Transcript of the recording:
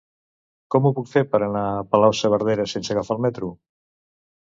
Com ho puc fer per anar a Palau-saverdera sense agafar el metro?